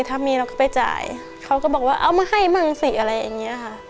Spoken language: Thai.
ถ้ามีเราก็ไปจ่ายเขาก็บอกว่าเอามาให้มั่งสิอะไรอย่างนี้ค่ะ